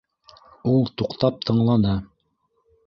Ул туҡтап тыңланы.